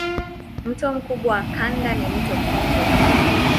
Mto mkubwa wa kanda ni mto Kongo.